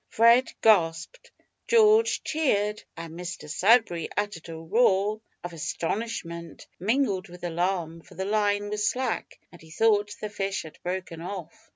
Fred gasped; George cheered, and Mr Sudberry uttered a roar of astonishment, mingled with alarm, for the line was slack, and he thought the fish had broken off.